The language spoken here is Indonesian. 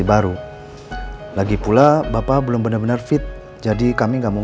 kalau cuma teman